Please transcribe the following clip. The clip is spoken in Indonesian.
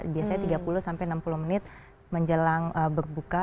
biasanya tiga puluh sampai enam puluh menit menjelang berbuka